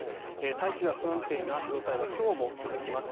大気が不安定な状態は今日も続きます。